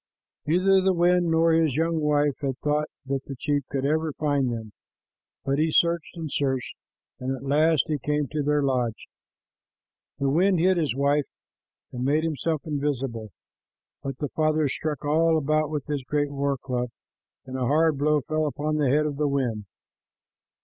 Neither the wind nor his young wife had thought that the chief could ever find them, but he searched and searched, and at last he came to their lodge. The wind hid his wife and made himself invisible, but the father struck all about with his great war club, and a hard blow fell upon the head of the wind.